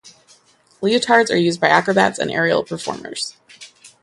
Leotards are used by acrobats and aerial performers.